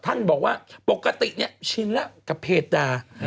ท่านบอกว่าปกติงี้ชินละกับเพจด่า